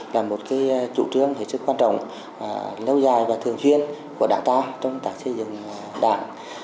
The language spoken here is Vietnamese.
là một chủ trương quan trọng lâu dài và thường xuyên của đảng ta trong tác xây dựng đảng